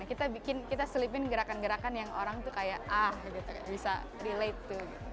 kita bikin kita selipin gerakan gerakan yang orang tuh kayak ah gitu kayak bisa relate tuh